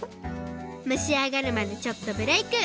むしあがるまでちょっとブレーク。